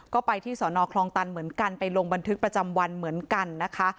ก็ไปที่สอนอคลองตันเหมือนกันไปลงบันทึกประจำวันเหมือนกันนะคะ